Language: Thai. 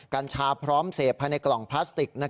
กัญชาพร้อมเสพภายในกล่องพลาสติก